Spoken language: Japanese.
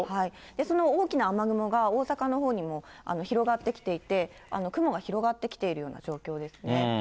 その大きな雨雲が、大阪のほうにも広がってきていて、雲が広がってきているような状況ですね。